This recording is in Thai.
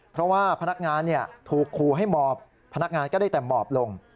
เพราะว่าพนักงานถูกขู่ให้หมอบพนักงานก็ได้แต่หมอบลง